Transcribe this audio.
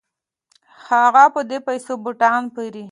هغه په دې پیسو بوټان پيري.